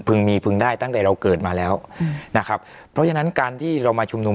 มีพึงได้ตั้งแต่เราเกิดมาแล้วอืมนะครับเพราะฉะนั้นการที่เรามาชุมนุม